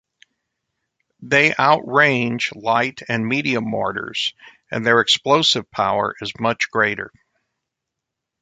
They outrange light and medium mortars, and their explosive power is much greater.